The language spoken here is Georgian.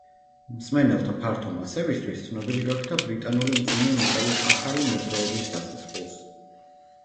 მსმენელთა ფართო მასებისთვის ცნობილი გახდა ბრიტანული მძიმე მეტალის ახალი მოძრაობის დასასრულს.